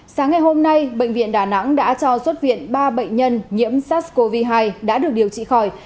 sáng ngày hôm nay bệnh viện đà nẵng đã cho xuất viện ba bệnh nhân nhiễm sars cov hai đã được điều trị khỏi